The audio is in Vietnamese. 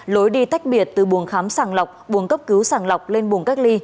lối đi tách biệt từ buồng khám sàng lọc buồng cấp cứu sàng lọc lên buồng cách ly